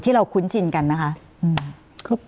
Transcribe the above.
ที่เราคุ้นชินกันนะครับ